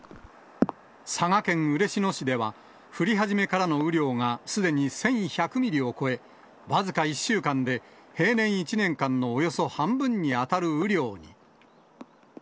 佐賀県嬉野市では、降り始めからの雨量がすでに１１００ミリを超え、僅か１週間で平年１年間のおよそ半分に当たる雨量が。